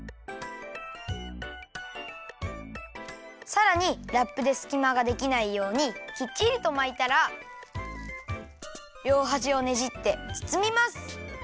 さらにラップですきまができないようにきっちりとまいたらりょうはじをねじってつつみます。